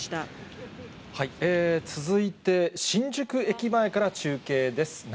続いて、新宿駅前から中継です。